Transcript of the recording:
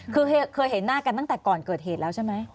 คือเคยเห็นหน้ากันตั้งแต่ก่อนเกิดเหตุแล้วใช่ไหม